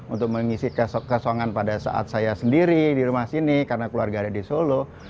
untuk mengisi kesongan pada saat saya sendiri di rumah sini karena keluarga ada di solo